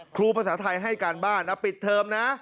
ครูภาษาไทยให้การบ้านปิดเทอมนะ